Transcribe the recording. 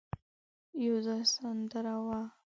يو ځای سندره وه.